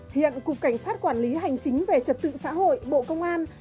hiện cục cảnh sát quản lý hành chính về trật tự xã hội bộ công an